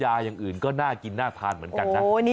น้ามิงน้าน่ากินน่าทานเหมือนกันน่ะ